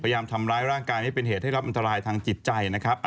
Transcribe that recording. พยายามทำร้ายร่างกายไม่เป็นเหตุให้รับอันตรายทางจิตใจนะครับ